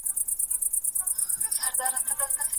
ما ویل چي به ډوبيږي جاله وان او جاله دواړه